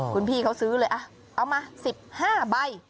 คุณพี่เขาซื้อเลยเอามา๑๕ใบ